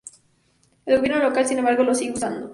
El gobierno local, sin embargo, los sigue usando.